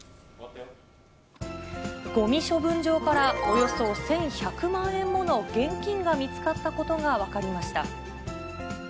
ごみ処分場からおよそ１１００万円もの現金が見つかったことが分かりました。